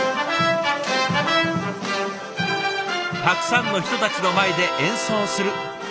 たくさんの人たちの前で演奏する。